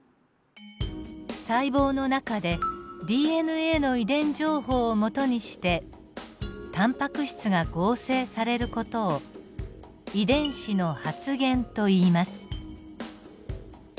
細胞の中でＤＮＡの遺伝情報をもとにしてタンパク質が合成される事を遺伝子の発現といいます。